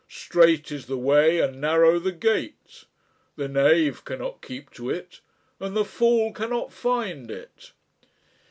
Strait is the way and narrow the gate; the knave cannot keep to it and the fool cannot find it."